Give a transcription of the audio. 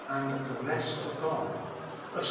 and the rest of God ; of Ps.